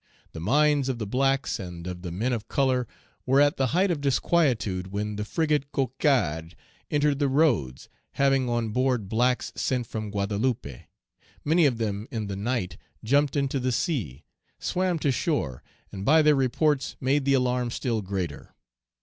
The minds of the blacks and of the men of color were at the height of disquietude when the frigate Cocarde entered the roads, having on board blacks sent from Guadeloupe; many of them in the night jumped into the sea, swam to shore, and by their reports made the alarm still greater.